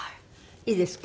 いいですか？